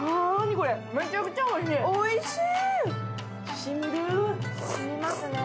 めちゃくちゃおいしい。